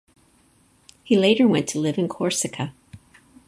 He later went to live in Corsica.